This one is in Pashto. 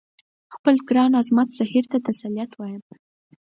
خپل ګران عصمت زهیر ته تسلیت وایم.